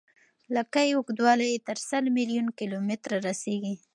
لکۍ اوږدوالی یې تر سل میلیون کیلومتره رسیږي.